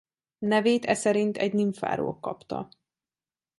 Nevét eszerint egy nimfáról kapta.